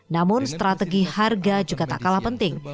namun strategi harga juga tak kalah penting